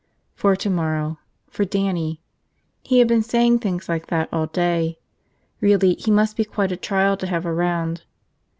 For tomorrow. For Dannie. He had been saying things like that all day. Really, he must be quite a trial to have around.